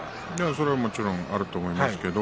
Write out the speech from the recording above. それはもちろんあると思いますけれど。